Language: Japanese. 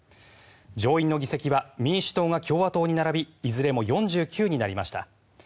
上院の議席は民主党が共和党に並びいずれも４９になりました。